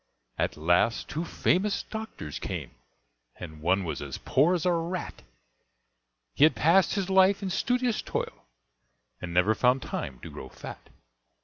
At last two famous doctors came, And one was as poor as a rat, He had passed his life in studious toil, And never found time to grow fat.